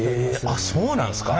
あっそうなんすか。